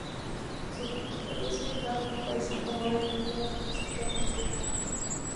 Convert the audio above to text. Su precio es bajo en países como el Reino Unido, donde es actualmente legal.